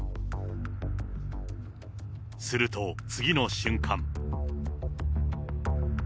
すると、次の瞬間。